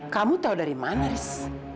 kamu tahu dari mana riz